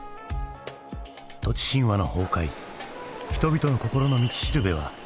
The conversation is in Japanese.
土地神話の崩壊人々の心の道しるべはどこに。